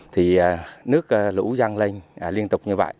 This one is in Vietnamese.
thì nước lũ răng lên liên tục như vậy